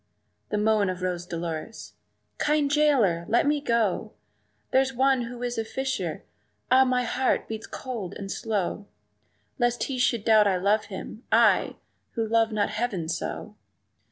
The moan of Rose Dolores "Kind jailer, let me go! There's one who is a fisher ah! my heart beats cold and slow Lest he should doubt I love him I! who love not heaven so!"